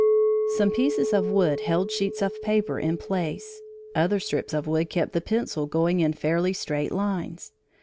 Some pieces of wood held sheets of paper in place; other strips of wood kept the pencil going in fairly straight lines.